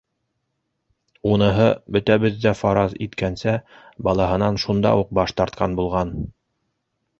Уныһы, бөтәбеҙ ҙә фараз иткәнсә, балаһынан шунда уҡ баш тартҡан булған.